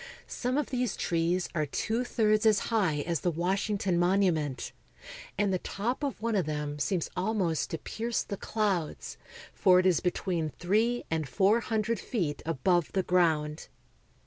Some of these trees are two thirds as high as the Washington Monument, and the top of one of them seems almost to pierce the clouds, for it is between three and four hundredfeetabove the ground.